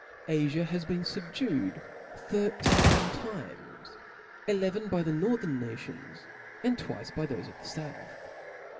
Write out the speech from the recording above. Afia has been fob dued thirteen times ; eleven by the northern nations, and twice by thofe of the fouth.